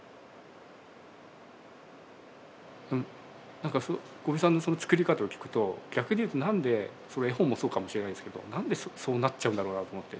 何か五味さんのその作り方を聞くと逆に言うと何でそれ絵本もそうかもしれないんですけど何でそうなっちゃうんだろうなと思って。